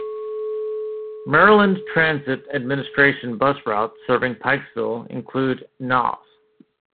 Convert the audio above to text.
Maryland Transit Administration bus routes serving Pikesville include nos.